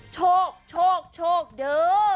โชคเด้อ